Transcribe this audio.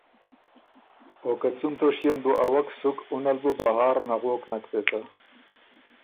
او که څُون توݭکيې ن بُو ا وک سُک اُن ال بُو بهار نغوک نک پېڅه۔